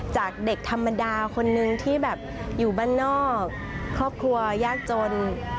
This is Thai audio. จากเด็กธรรมดาคนนึงที่แบบอยู่บ้านนอกครอบครัวยากจน